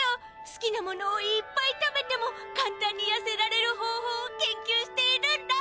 すきなものをいっぱい食べてもかんたんにやせられるほうほうを研究しているんだ。